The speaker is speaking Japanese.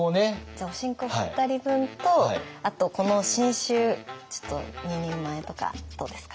じゃあおしんこ２人分とあとこの新酒ちょっと２人前とかどうですか？